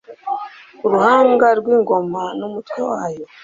Uruhanga rw'Ingoma ni Umutwe wayo